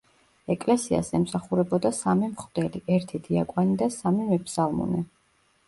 ეკლესიას ემსახურებოდა სამი მღვდელი, ერთი დიაკვანი და სამი მეფსალმუნე.